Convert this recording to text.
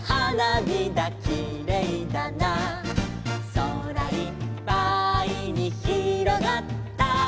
「空いっぱいにひろがった」